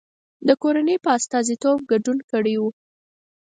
د کورنۍ په استازیتوب ګډون کړی و.